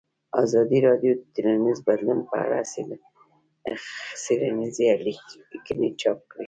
ازادي راډیو د ټولنیز بدلون په اړه څېړنیزې لیکنې چاپ کړي.